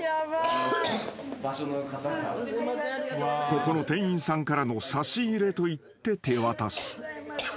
［ここの店員さんからの差し入れと言って手渡す］